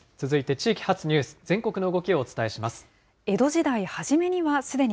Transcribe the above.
続いて地域発ニュース、全国の動きをお伝えします。